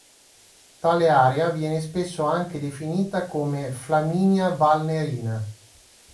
Tale area viene spesso anche definita come "Flaminia-Valnerina".